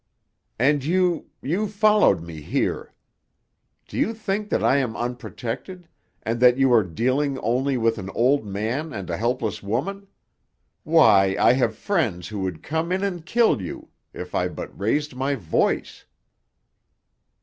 "And you you followed me here. Do you think that I am unprotected, and that you are dealing only with an old man and a helpless woman? Why, I have friends who would come in and kill you if I but raised my voice!"